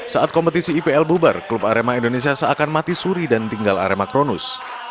saat kompetisi ipl bubar klub arema indonesia seakan mati suri dan tinggal arema kronus